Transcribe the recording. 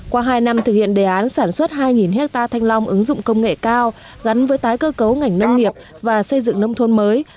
qua hai năm thực hiện đề án sản xuất hai hectare thanh long ứng dụng công nghệ cao gắn với tái cơ cấu ngành nông nghiệp và xây dựng nông thôn mới